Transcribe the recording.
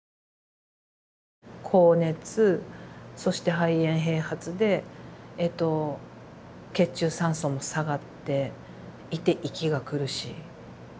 高熱そして肺炎併発で血中酸素も下がっていて息が苦しい。